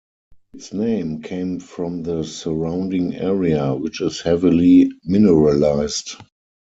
Its name came from the surrounding area, which is heavily mineralized.